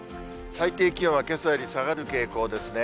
最低気温はけさより下がる傾向ですね。